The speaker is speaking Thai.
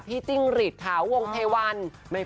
พี่จิ้งหริชงงเทวัน